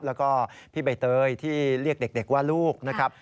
แล้วก็พี่ใบเตยที่เรียกเด็กว่าลูกนะครับ